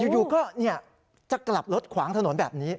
อยู่ก็จะกลับรถขวางถนนแบบนี้